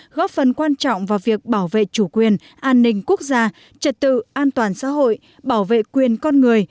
góp phần quan trọng vào việc bảo vệ chủ quyền an ninh quốc gia trật tự an toàn xã hội bảo vệ quyền con người